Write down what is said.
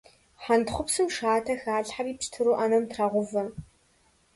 Хьэнтхъупсым шатэ халъхьэри пщтыру Ӏэнэм трагъэувэ.